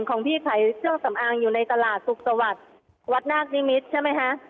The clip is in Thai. ของพี่ขายเจ้าสำอางอยู่ในตลาดสุขตวรรษวัดนาคดิมิตรใช่ไหมฮะ